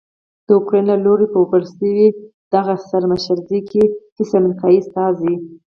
داوکرایین له لوري په وربلل شوې دغه سرمشریزه کې هیڅ امریکایي استازی